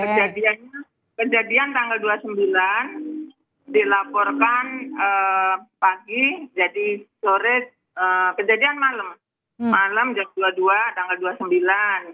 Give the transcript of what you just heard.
kejadiannya kejadian tanggal dua puluh sembilan dilaporkan pagi jadi sore kejadian malam malam jam dua puluh dua tanggal dua puluh sembilan